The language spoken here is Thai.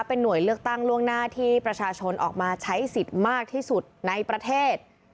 เป็นหน่วยเลือกตั้งล่วงหน้าที่ประชาชนออกมาใช้สิทธิ์มากที่สุดในประเทศ